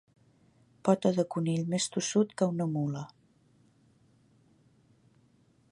Pota de conill més tossut que una mula.